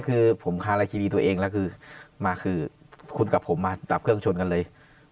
คือผมคารายทีวีตัวเองแล้วคือมาคือคุณกับผมมาดับเครื่องชนกันเลย